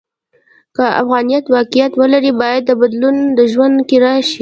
که افغانیت واقعیت ولري، باید دا بدلون د ژوند کې راشي.